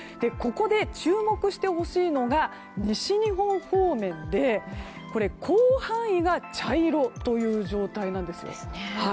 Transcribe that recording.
ここで注目してほしいのが西日本方面で広範囲が茶色という状態なんですよ。